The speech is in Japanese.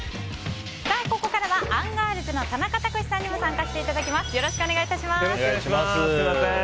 ここからはアンガールズの田中卓志さんにも参加していただきます。